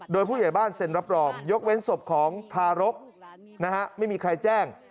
โดยผู้ใหญ่บ้านเซ็นรับรองยกเว้นศพของทารกไม่มีใครแจ้ง